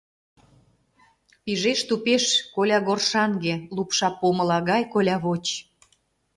Пижеш тупеш колягоршаҥге, лупша помыла гай колявоч.